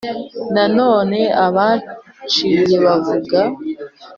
nanone abashiya bavuga